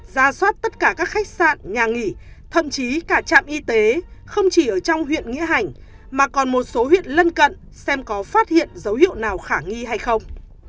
ra soát tất cả các khách sạn nhà nghỉ thậm chí cả trạm y tế không chỉ ở trong huyện nghĩa hành mà còn một số huyện lân cận xem có phát hiện dấu hiệu nào khả nghi hay không